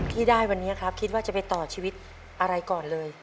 ที่ได้วันนี้ครับคิดว่าจะไปต่อชีวิตอะไรก่อนเลย